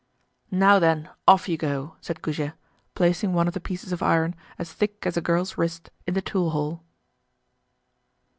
"Now then, off you go!" said Goujet, placing one of the pieces of iron, as thick as a girl's wrist, in the tool hole.